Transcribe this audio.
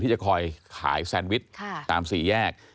ที่จะคอยขายแซนวิชตามศรีแยก